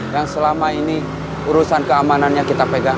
yang selama ini urusan keamanannya kita pegang